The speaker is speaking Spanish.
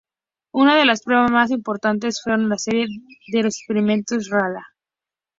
Una de las pruebas más importantes fueron la serie de los Experimentos RaLa.